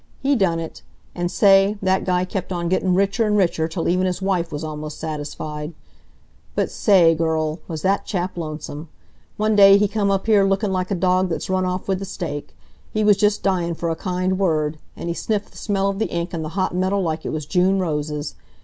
He done it. An' say, that guy kept on gettin' richer and richer till even his wife was almost satisfied. But sa a ay, girl, was that chap lonesome! One day he come up here looking like a dog that's run off with the steak. He was just dyin' for a kind word, an' he sniffed the smell of the ink and the hot metal like it was June roses.